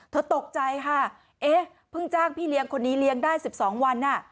ตกใจค่ะเอ๊ะเพิ่งจ้างพี่เลี้ยงคนนี้เลี้ยงได้๑๒วัน